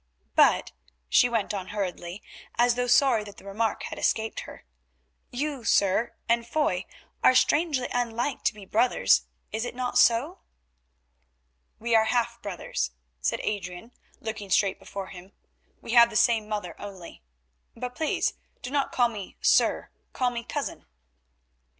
"But," she went on hurriedly, as though sorry that the remark had escaped her, "you, sir, and Foy are strangely unlike to be brothers; is it not so?" "We are half brothers," said Adrian looking straight before him; "we have the same mother only; but please do not call me 'sir,' call me 'cousin.